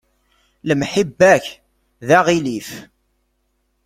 Lemḥibba-k d aɣilif.